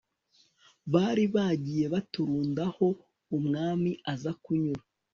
bari bagiye baturunda aho umwami aza kunyura